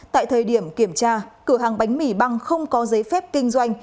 tại thời điểm kiểm tra cửa hàng bánh mì băng không có giấy phép kinh doanh